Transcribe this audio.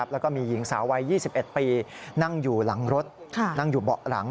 แล้วก็มีหญิงสาววัย๒๑ปีนั่งอยู่หลังรถนั่งอยู่เบาะหลัง